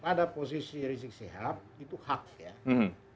pada posisi rizieq sehab itu hak ya